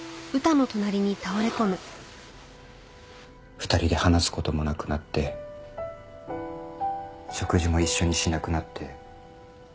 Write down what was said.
２人で話す事もなくなって食事も一緒にしなくなって。